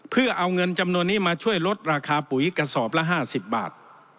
เพื่อเอาเงินจำนวนนี้มาช่วยลดราคาปุ๋ยกระสอบละ๕๐บาท